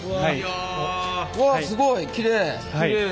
うわすごいきれい。